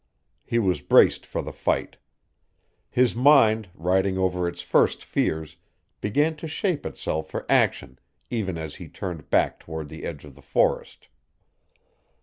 He was braced for the fight. His mind, riding over its first fears, began to shape itself for action even as he turned back toward the edge of the forest.